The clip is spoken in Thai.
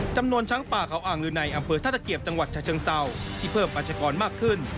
จำนวนช้างป่าเขาอ่างลือในอำเภอท่าตะเกียบจังหวัดชะเชิงเศร้าที่เพิ่มปัชกรมากขึ้น